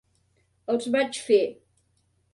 Els vaig fer.